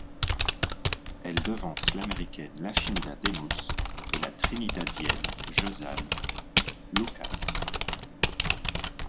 Elle devance l'Américaine Lashinda Demus et la Trinidadienne Josanne Lucas.